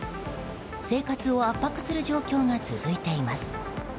生活を圧迫する状況が続いています。